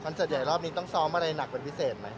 เสิร์ตใหญ่รอบนี้ต้องซ้อมอะไรหนักเป็นพิเศษไหม